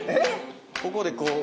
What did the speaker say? ここでこう。